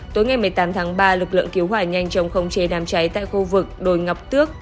tối ngày một mươi tám tháng ba lực lượng cứu hỏa nhanh chóng khống chế đám cháy tại khu vực đồi ngọc tước